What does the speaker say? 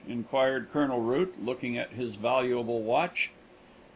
inquired Colonel Root, looking at his valuable watch.